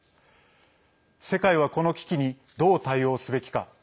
世界は、この危機にどう対応すべきか。